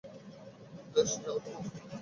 বেশ, যাও তো মা!